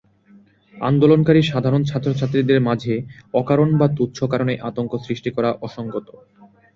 আন্দোলনকারী সাধারণ ছাত্রছাত্রীদের মাঝে অকারণ বা তুচ্ছ কারণে আতঙ্ক সৃষ্টি করা অসংগত।